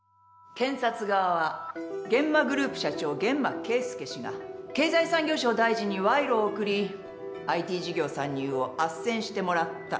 検察側は諫間グループ社長諫間慶介氏が経済産業省大臣に賄賂を贈りＩＴ事業参入をあっせんしてもらった。